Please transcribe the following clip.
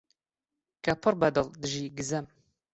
کە پڕبەدڵ دژی گزەم؟!